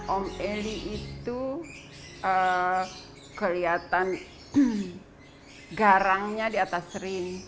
om eli itu kelihatan garangnya di atas ring